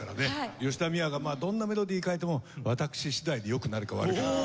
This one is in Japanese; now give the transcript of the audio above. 吉田美和がどんなメロディー書いても私次第で良くなるか悪くなるか。